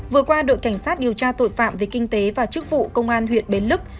vừa qua đội cảnh sát điều tra tội phạm về kinh tế và chức vụ công an huyện bến lức